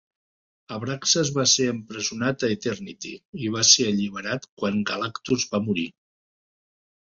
Abraxas va ser empresonat a Eternity i va ser alliberat quan Galactus va morir.